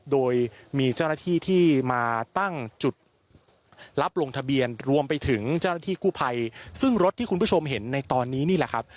โดยมีเจ้าหน้าที่ที่มาตั้งจุดรับลงทะเบียนรวมไปถึงเจ้าหน้าที่กู้ภัยซึ่งรถที่คุณผู้ชมเห็นในตอนนี้นี่แหละครับ